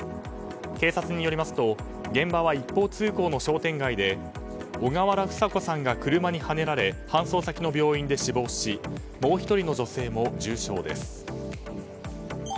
警察によりますと現場は一方通行の商店街で小河原房子さんが車にはねられ搬送先の病院で死亡しもう１人の女性も重傷です。